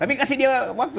tapi kasih dia waktu